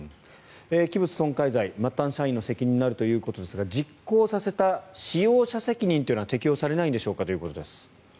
器物損壊罪末端社員の責任になるということですが実行させた使用者責任というのは適用されないんでしょうかということです。